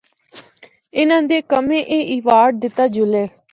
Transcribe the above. انہاں دے کمے آں ایوارڈ دتا جلے۔